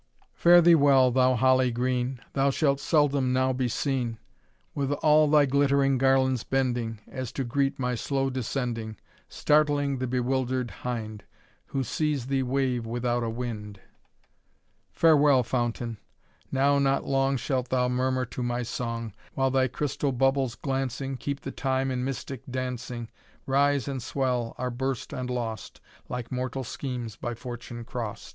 "Fare thee well, thou Holly green, Thou shall seldom now be seen, With all thy glittering garlands bending, As to greet my slow descending, Startling the bewilder'd hind. Who sees thee wave without a wind. "Farewell, Fountain! now not long Shalt thou murmur to my song, While thy crystal bubbles glancing, Keep the time in mystic dancing, Rise and swell, are burst and lost, Like mortal schemes by fortune crost.